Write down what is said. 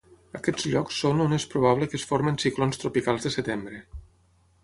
Aquests llocs són on és probable que es formin ciclons tropicals de setembre.